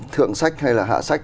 thượng sách hay là hạ sách